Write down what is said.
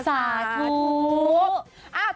สาธุ